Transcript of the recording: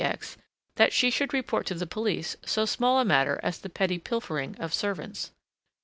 X., that she should report to the police so small a matter as the petty pilfering of servants.